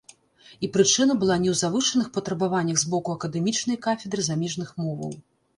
І прычына была не ў завышаных патрабаваннях з боку акадэмічнай кафедры замежных моваў.